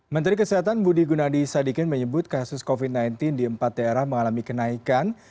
menteri kesehatan budi gunadi sadikin menyebut kasus covid sembilan belas di empat daerah mengalami kenaikan